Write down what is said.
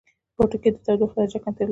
پوټکی د تودوخې درجه کنټرولوي